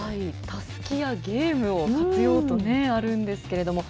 たすきやゲームを活用とあるんですけれども。